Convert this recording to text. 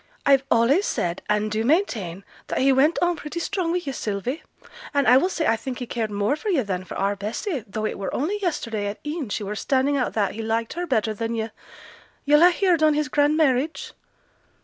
I've allays said and do maintain, that he went on pretty strong wi' yo', Sylvie; and I will say I think he cared more for yo' than for our Bessy, though it were only yesterday at e'en she were standing out that he liked her better than yo'. Yo'll ha' heared on his grand marriage?'